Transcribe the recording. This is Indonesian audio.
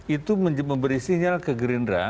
itu memberi sinyal ke gerindra